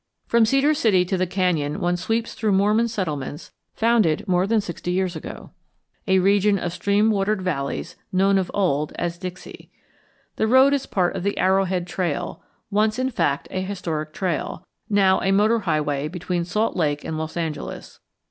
From Cedar City to the canyon one sweeps through Mormon settlements founded more than sixty years ago, a region of stream watered valleys known of old as Dixie. The road is part of the Arrowhead Trail, once in fact a historic trail, now a motor highway between Salt Lake and Los Angeles.